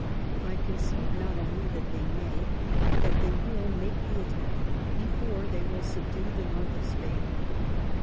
I conceive not only that they may, but that they will make the attack before they will subdue the north of Spain."